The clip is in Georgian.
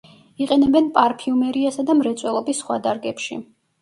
იყენებენ პარფიუმერიასა და მრეწველობის სხვა დარგებში.